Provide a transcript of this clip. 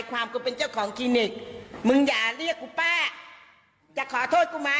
อย่างกันกูบอกม่ะห้ามเรียกป้าม่า